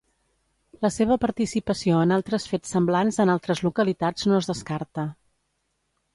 La seva participació en altres fets semblants en altres localitats no es descarta.